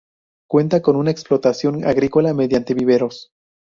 Cuenta con una explotación agrícola mediante viveros.